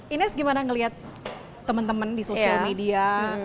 ines gimana ngelihat temen temen di social media